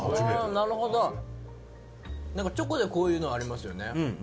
なんか、チョコでこういうのありますよね。